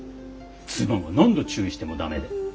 妻が何度注意しても駄目で。